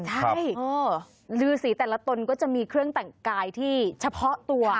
ใช่ลือสีแต่ละตนก็จะมีเครื่องแต่งกายที่เฉพาะตัว